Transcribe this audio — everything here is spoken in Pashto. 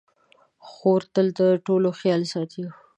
خور تل د ټولو خیال ساتي.